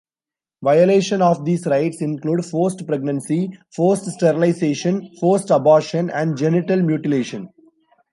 Violation of these rights include forced pregnancy, forced sterilization, forced abortion and genital mutilation.